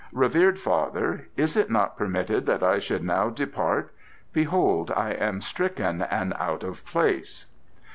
"Revered father, is it not permitted that I should now depart? Behold I am stricken and out of place."